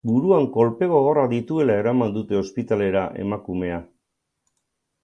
Buruan kolpe gogorrak dituela eraman dute ospitalera emakumea.